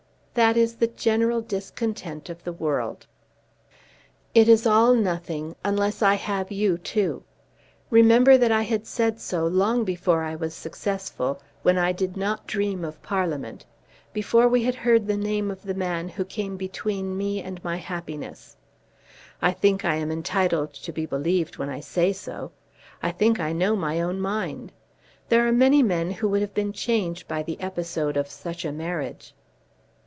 "That is the general discontent of the world." "It is all nothing, unless I have you too. Remember that I had said so long before I was successful, when I did not dream of Parliament; before we had heard of the name of the man who came between me and my happiness. I think I am entitled to be believed when I say so. I think I know my own mind. There are many men who would have been changed by the episode of such a marriage."